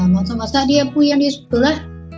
masak masak dia pun yang dia suka